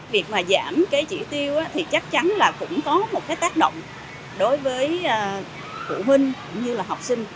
việc mà giảm cái chỉ tiêu thì chắc chắn là cũng có một cái tác động đối với phụ huynh cũng như là học sinh